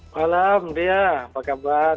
malam ria apa kabar